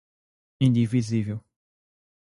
indivisível